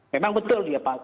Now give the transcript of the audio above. memang betul ya pak